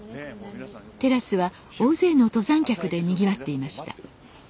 テラスは大勢の登山客でにぎわっていました